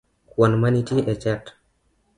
kwan manitie e chat?